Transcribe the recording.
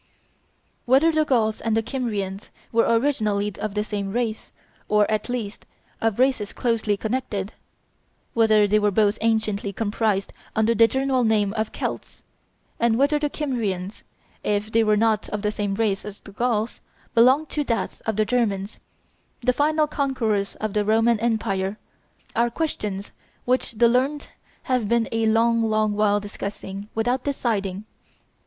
Whether the Gauls and the Kymrians were originally of the same race, or at least of races closely connected; whether they were both anciently comprised under the general name of Celts; and whether the Kymrians, if they were not of the same race as the Gauls, belonged to that of the Germans, the final conquerors of the Roman empire, are questions which the learned have been a long, long while discussing without deciding.